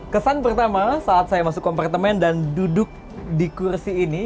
kesan pertama saat saya masuk kompartemen dan duduk di kursi ini